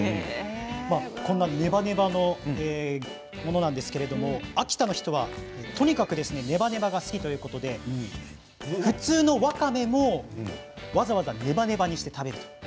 こんなネバネバのものなんですけど秋田の人はとにかくネバネバが好きということで普通のわかめもわざわざネバネバにして食べる。